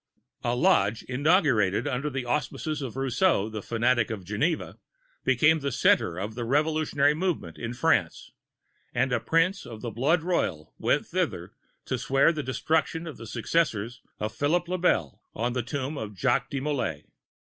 A Lodge inaugurated under the auspices of Rousseau, the fanatic of Geneva, became the centre of the revolutionary movement in France, and a Prince of the blood royal went thither to swear the destruction of the successors of Philippe le Bel on the tomb of Jacques de Molai.